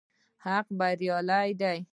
حق بريالی دی